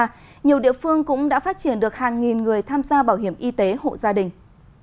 và nhiều địa phương cũng đã phát triển được hàng nghìn người tham gia bảo hiểm y tế hộ gia đình